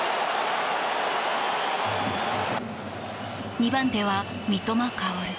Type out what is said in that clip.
２番手は三笘薫。